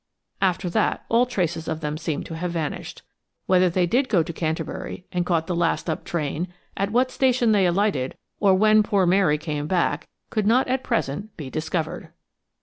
After that all traces of them seem to have vanished. Whether they did go to Canterbury, and caught the last up train, at what station they alighted, or when poor Mary came back, could not at present be discovered.